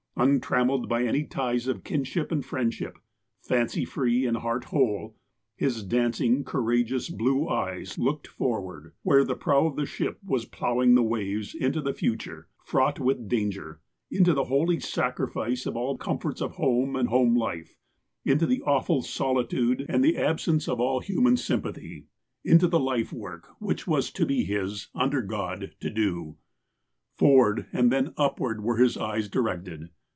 Untrammelled by any ties of kinship and friendship, fancy free and heart whole, his dancing, courageous, blue eyes looked forward, where the prow of the ship was ploughing the waves, into the future, fraught with danger, into the holy sacrifice of all comforts of home and home life, into the awful solitude and the absence of all human 38 THE APOSTLE OF ALASKA sympathy, into the life work which was to be his, under God, to do. Forward and then upward were his eyes directed.